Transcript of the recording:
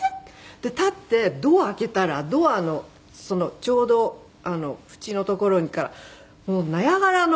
で立ってドア開けたらドアのちょうど縁の所からナイアガラの。